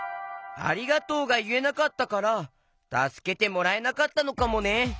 「ありがとう」がいえなかったからたすけてもらえなかったのかもね。